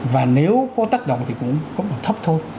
và nếu có tác động thì cũng có độ thấp thôi